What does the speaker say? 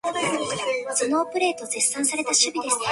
現在放假的話